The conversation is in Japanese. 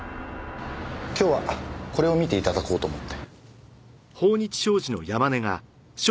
今日はこれを見て頂こうと思って。